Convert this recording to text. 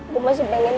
gue masih pengen